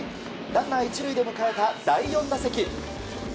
ランナー１塁で迎えた第４打席。